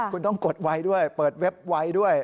คุณต้องกดไวด้วยเปิดเว็บไวด้วย